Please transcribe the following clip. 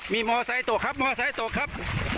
มีมอเซตตกครับมอเซตตกครับ